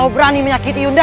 dia sendiri yang punya